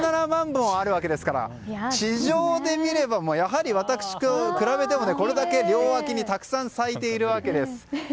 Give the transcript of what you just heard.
本あるわけですから地上で見れば私と比べても、両脇にたくさん咲いているわけです。